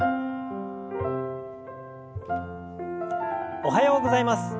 おはようございます。